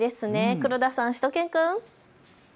黒田さん、しゅと犬くん。